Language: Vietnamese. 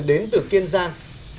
đến từ kiên giang